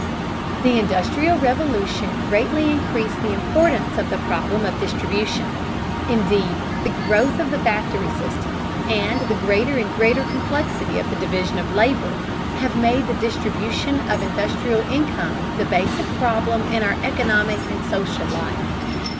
The Industrial Revolution greatly increased the importance of the problem of distribution. Indeed, the growth of the factory system, and the greater and greater complexity of the division of labor, have made the distribution of industrial income the basic problem in our economic and social life.